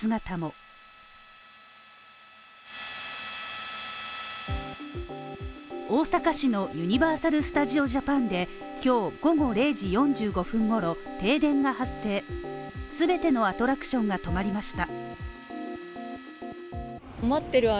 一方、大阪市のユニバーサル・スタジオ・ジャパンで今日午後０時４５分ごろ、停電が発生すべてのアトラクションが止まりました